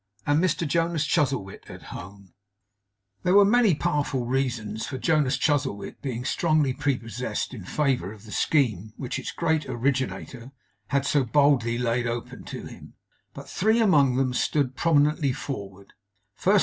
AND MR JONAS CHUZZLEWIT AT HOME There were many powerful reasons for Jonas Chuzzlewit being strongly prepossessed in favour of the scheme which its great originator had so boldly laid open to him; but three among them stood prominently forward.